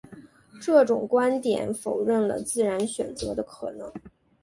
这种观点否认了自然选择的可能。